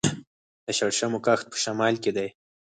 د شړشمو کښت په شمال کې دی.